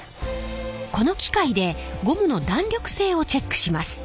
この機械でゴムの弾力性をチェックします。